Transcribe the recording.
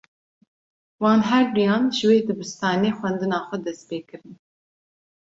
Wan her duyan, ji wê dibistanê xwendina xwe dest pê kirin